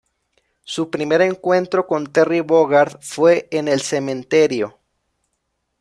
Su primer encuentro con Terry Bogard fue en el cementerio.